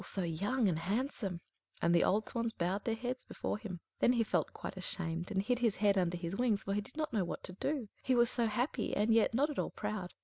so young and handsome!" and the old swans bowed their heads before him. Then he felt quite ashamed, and hid his head under his wings, for he did not know what to do; he was so happy, and yet not at all proud.